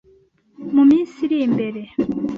Mu minsi iri imbere